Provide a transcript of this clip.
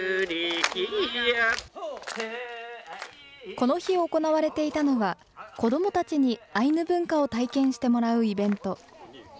この日行われていたのは、子どもたちにアイヌ文化を体験してもらうイベント。